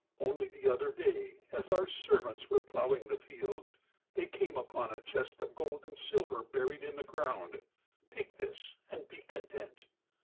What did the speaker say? Only the other day, as our servants were ploughing the fields they came upon a chest of gold and silver buried in the ground take this and be content.'